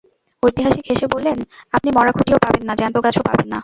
ঐতিহাসিক হেসে বললেন, আপনি মরা খুঁটিও পাবেন না, জ্যান্ত গাছও পাবেন না।